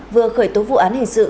vừa khởi tố vụ án hình sự